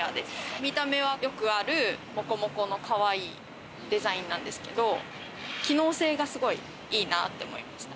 見た目はよくある、モコモコのかわいいデザインなんですけど機能性がすごいいいなって思いました。